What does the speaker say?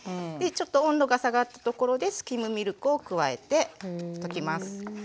ちょっと温度が下がったところでスキムミルクを加えて溶きます。